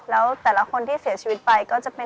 ชื่องนี้ชื่องนี้ชื่องนี้ชื่องนี้ชื่องนี้